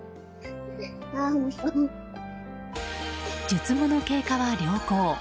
術後の経過は良好。